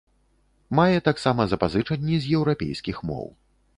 Мае таксама запазычанні з еўрапейскіх моў.